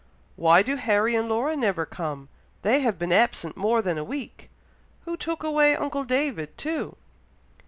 Why do Harry and Laura never come? They have been absent more than a week! Who took away uncle David too?"